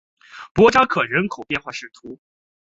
博扎克人口变化图示